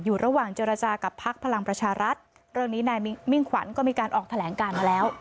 อยู่ระหว่างเจรจากับพักพลังประชารัฐเรื่องนี้นายมิ่งขวัญก็มีการออกแถลงการมาแล้ว